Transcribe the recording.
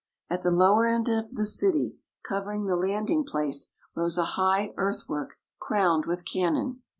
At the lower end of the city, covering the landing place, rose a high earthwork crowned with cannon.